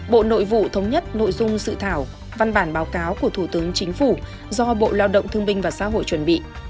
bộ nội vụ thống nhất nội dung dự thảo văn bản báo cáo của thủ tướng chính phủ do bộ lao động thương binh và xã hội chuẩn bị